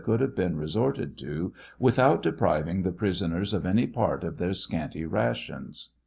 could have been resorted to without depriving the prisoners of any part of their scanty rations.